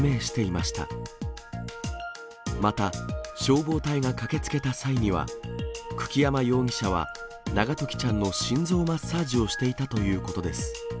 また、消防隊が駆けつけた際には、久木山容疑者は永時ちゃんの心臓マッサージをしていたということです。